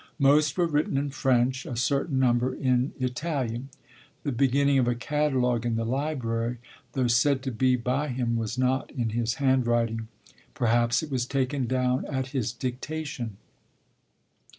Most were written in French, a certain number in Italian. The beginning of a catalogue in the library, though said to be by him, was not in his handwriting. Perhaps it was taken down at his dictation.